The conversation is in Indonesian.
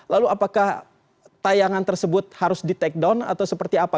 lalu apakah tayangan tersebut harus di take down atau seperti apa